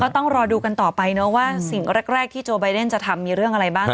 ต้องรอดูกันต่อไปเนอะว่าสิ่งแรกที่โจไบเดนจะทำมีเรื่องอะไรบ้าง